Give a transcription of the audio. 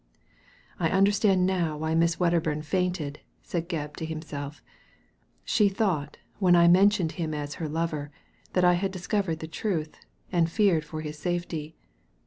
" I understand now why Miss Wedderbum fainted," said Gebb to himself. '' She thought, when I men tioned him as her lover, that I had discovered the truth, and feared for his safety.